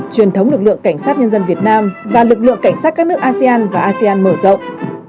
truyền thống lực lượng cảnh sát nhân dân việt nam và lực lượng cảnh sát các nước asean và asean mở rộng